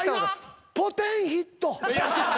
ポテンヒット。